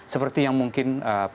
seperti yang mungkin apa pernah di apa